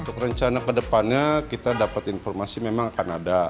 untuk rencana kedepannya kita dapat informasi memang akan ada